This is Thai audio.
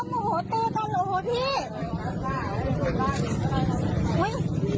จากฆ่านักรมโอ้โหตีกันโอ้โหพี่